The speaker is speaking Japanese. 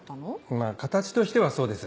まぁ形としてはそうです。